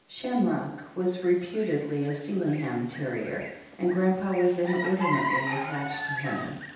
Shamrock was reputedly a Sealyham terrier, and Grandpapa was inordinately attached to him.